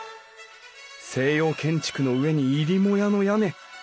西洋建築の上に入母屋の屋根。